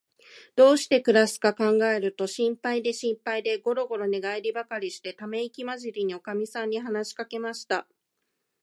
どうしてくらすかかんがえると、心配で心配で、ごろごろ寝がえりばかりして、ためいきまじりに、おかみさんに話しかけました。